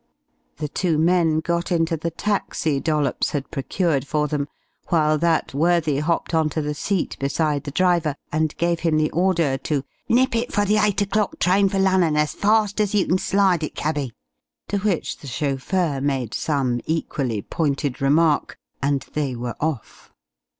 The two men got into the taxi Dollops had procured for them, while that worthy hopped on to the seat beside the driver and gave him the order to "Nip it for the eight o'clock train for Lunnon, as farst as you kin slide it, cabby!" To which the chauffeur made some equally pointed remark, and they were off.